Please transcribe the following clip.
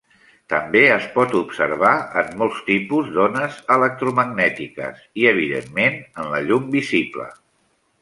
També es pot observar en molts tipus d'ones electromagnètiques i, evidentment, en la llum visible.